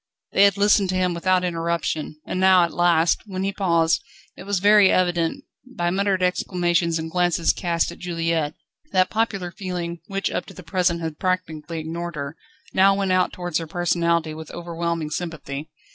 They had listened to him without interruption, and now at last, when he paused, it was very evident, by muttered exclamations and glances cast at Juliette, that popular feeling, which up to the present had practically ignored her, now went out towards her personality with overwhelming sympathy.